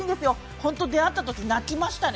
本当、出会ったとき泣きましたね。